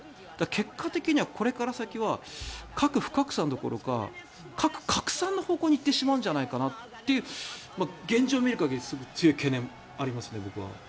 結果的にはこれから先は核不拡散どころか核拡散の方向に行っちゃうんじゃないかという現状を見る限り強い懸念がありますよね、僕は。